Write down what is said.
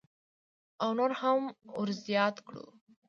او نور هم ورزیات کړو.